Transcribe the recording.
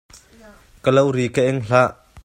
Ka lo ri ka eng hlah.